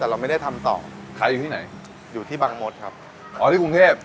แต่เราไม่ได้ทำต่อขายอยู่ที่ไหนอยู่ที่บังมดครับอ๋อที่กรุงเทพ